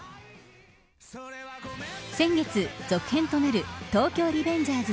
先月、続編となる東京リベンジャーズ